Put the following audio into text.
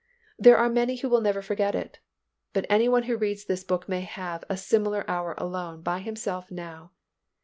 There are many who will never forget it. But any one who reads this book may have a similar hour alone by himself now.